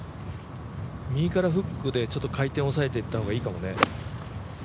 右からフックでちょっと回転抑えてった方がいいかもね。